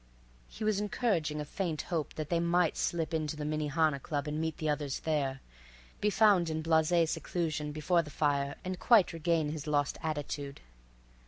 He was encouraging a faint hope that they might slip into the Minnehaha Club and meet the others there, be found in blasé seclusion before the fire and quite regain his lost attitude.